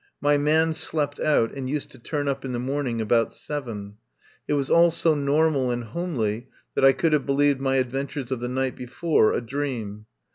My man slept out, and used to turn up in the morning about seven. It was all so normal and homely that I could have believed my adventures of the night before a dream.